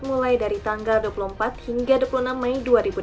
mulai dari tanggal dua puluh empat hingga dua puluh enam mei dua ribu delapan belas